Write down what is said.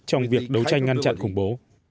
trong việc đấu tranh ngăn chặn khủng bố